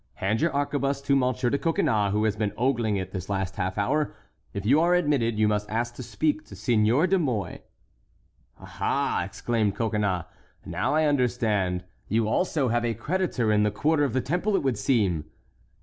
Hand your arquebuse to M. de Coconnas, who has been ogling it this last half hour. If you are admitted, you must ask to speak to Seigneur de Mouy." "Aha!" exclaimed Coconnas, "now I understand—you also have a creditor in the quarter of the Temple, it would seem."